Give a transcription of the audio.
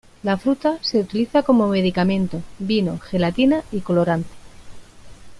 La fruta se utiliza como medicamento, vino, gelatina y colorante.